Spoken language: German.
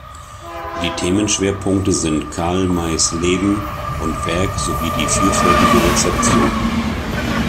Die Themenschwerpunkte sind Karl Mays Leben und Werk sowie die vielfältige Rezeption.